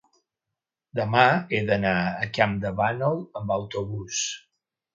demà he d'anar a Campdevànol amb autobús.